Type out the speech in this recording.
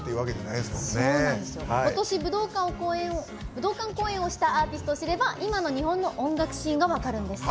ことし武道館公演をしたアーティストを知れば今の日本の音楽シーンが分かるんです。